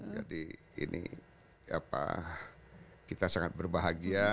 jadi ini kita sangat berbahagia